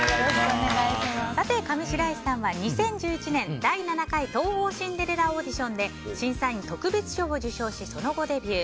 上白石さんは２０１１年第７回「東宝シンデレラ」オーディションで審査員特別賞を受賞しその後、デビュー。